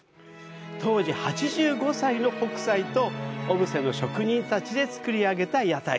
当時８５歳の北斎と小布施の職人たちで作り上げた屋台。